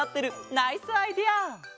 ナイスアイデア！